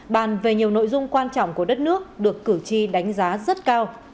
bàn về nhiều nội dung quan trọng của đất nước được cử tri đánh giá rất cao